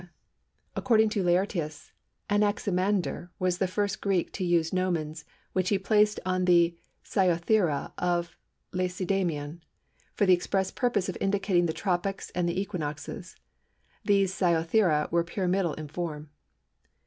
According to Laërtius, Anaximander was the first Greek to use gnomons, which he placed on the Sciothera of Lacedæmon, for the express purpose of indicating the Tropics and Equinoxes. These Sciothera were pyramidal in form.